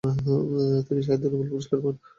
তিনি সাহিত্যে নোবেল পুরস্কার পান।